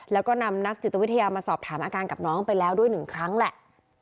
แล้วก็นำนักจิตวิทยามาสอบถามอาการกับน้องไปแล้วด้วยหนึ่งครั้งแหละ